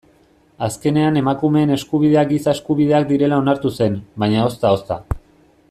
Azkenean emakumeen eskubideak giza eskubideak direla onartu zen, baina ozta-ozta.